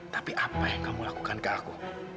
tapi apa yang kamu lakukan ke aku